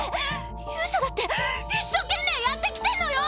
勇者だって一生懸命やってきてんのよ！